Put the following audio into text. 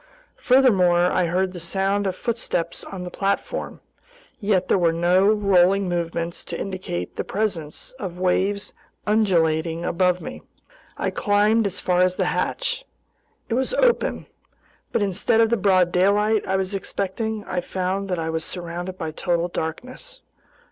Furthermore, I heard the sound of footsteps on the platform. Yet there were no rolling movements to indicate the presence of waves undulating above me. I climbed as far as the hatch. It was open. But instead of the broad daylight I was expecting, I found that I was surrounded by total darkness.